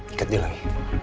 ikat dia lagi